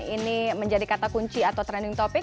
ini menjadi kata kunci atau trending topic